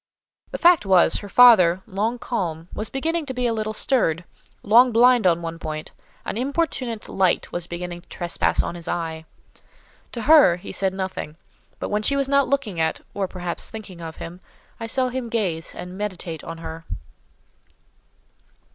The fact was—her father, long calm, was beginning to be a little stirred: long blind on one point, an importunate light was beginning to trespass on his eye. To her, he said nothing; but when she was not looking at, or perhaps thinking of him, I saw him gaze and meditate on her.